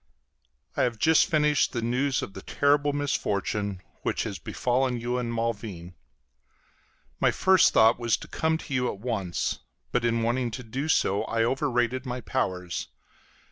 I have just received the news of the terrible misfortune which has befallen you and Malwine, My first thought was to come to you at once, but in wanting to do so I overrated my powers.